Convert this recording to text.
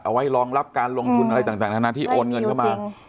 ไว้รองรับการลงทุนอะไรต่างนานาที่โอนเงินเข้ามา